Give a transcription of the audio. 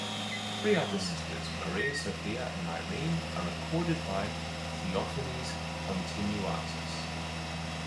Three other sisters, Maria, Sophia, and Irene, are recorded by Theophanes Continuatus.